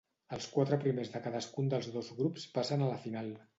Els quatre primers de cadascun dels dos grups passen a la final.